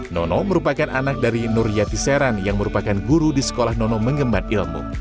nono merupakan anak dari nur yatiseran yang merupakan guru di sekolah nono mengembat ilmu